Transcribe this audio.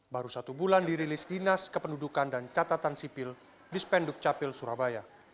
baru satu bulan dirilis dinas kependudukan dan catatan sipil dispenduk capil surabaya